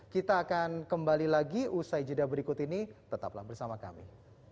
kita akan kembali lagi usai jeda berikut ini tetaplah bersama kami